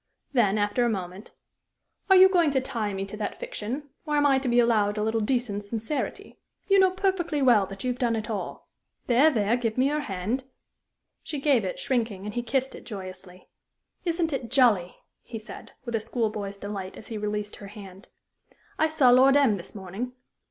Then, after a moment: "Are you going to tie me to that fiction, or am I to be allowed a little decent sincerity? You know perfectly well that you have done it all. There, there; give me your hand." She gave it, shrinking, and he kissed it joyously. "Isn't it jolly!" he said, with a school boy's delight as he released her hand. "I saw Lord M this morning."